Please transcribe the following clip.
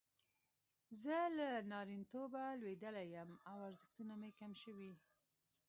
زه له نارینتوبه لویدلی یم او ارزښتونه مې کم شوي.